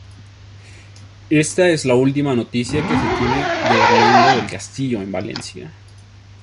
Esta es la última noticia que se tiene de Hernando del Castillo en Valencia.